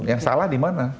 yang salah di mana